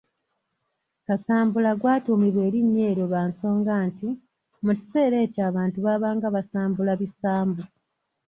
Kasambula gwatuumibwa erinnya eryo lwa nsonga nti, mu kiseera ekyo abantu baabanga basambula bisambu.